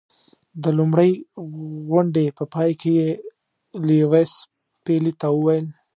د لومړۍ غونډې په پای کې یې لیویس پیلي ته وویل.